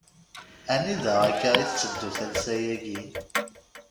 Anida akka i tetteddu talsa-agi.?